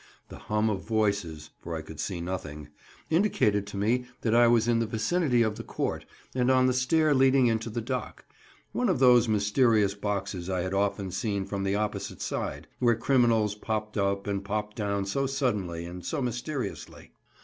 The hum of voices—for I could see nothing—indicated to me that I was in the vicinity of the Court and on the stair leading into the dock—one of those mysterious boxes I had often seen from the opposite side, where criminals popped up and popped down so suddenly and so mysteriously.